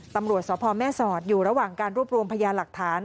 ตำรวจสพแม่สอดอยู่ระหว่างการรวบรวมพยานหลักฐาน